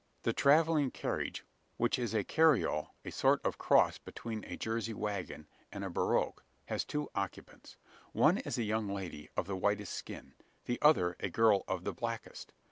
The travelling carriage, which is a "carriole" a sort of cross between a Jersey waggon and a barouche has two occupants. One is a young lady of the whitest skin; the other a girl of the blackest.